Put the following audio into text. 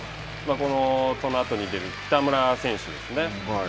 そのあとに出る北村選手ですね。